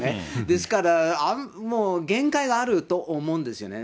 ですから、限界があると思うんですよね。